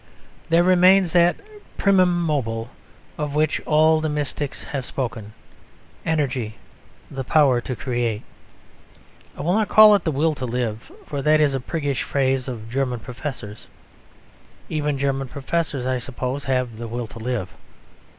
There remains that primum mobile of which all the mystics have spoken: energy, the power to create. I will not call it "the will to live," for that is a priggish phrase of German professors. Even German professors, I suppose, have the will to live.